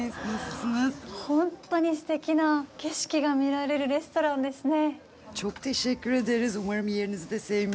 ほんとにすてきな景色が見られるレストランですね。